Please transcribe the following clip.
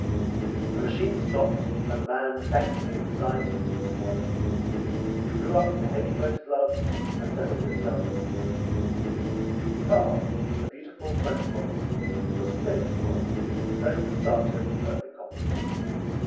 The machine stopped, and the man thankfully resigned his seat to Warren, who drew up the heavy motor gloves, and settled himself in his seat. The car, a beautiful French model, was familiar to Warren, and he pressed the starter with perfect confidence.